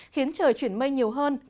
khiến trời chuyển mây nhiều hơn